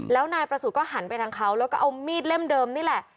แล้วนายประสูจน์ก็หันไปทางเขาแล้วก็เอามีดเล่มเดิมนี่แหละ